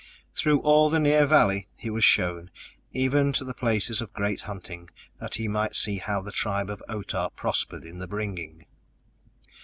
Through all the near valley he was shown, even to the places of great hunting, that he might see how the tribe of Otah prospered in the Bringing.